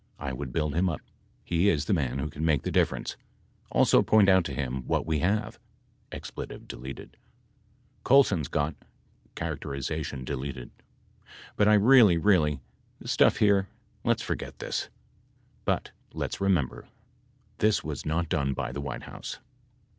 I would build him up. He is the man who can make the difference. Also point out to him what we have, (expletive deleted) Colson's got (character ization deleted), but I really, really, — this stuff here — let's forget this. But let's remember this was not done by the White House.